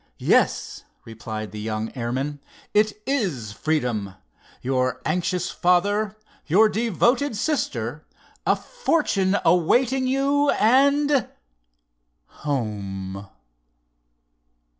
"Yes," replied the young airman, "it is freedom—your anxious father—your devoted sister—a fortune awaiting you and—home!"